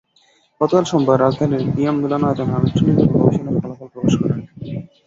গতকাল সোমবার রাজধানীর বিয়াম মিলনায়তনে আনুষ্ঠানিকভাবে গবেষণার ফলাফল প্রকাশ করা হয়।